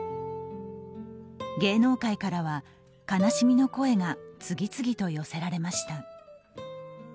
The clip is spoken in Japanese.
芸能界からは悲しみの声が次々と寄せられました。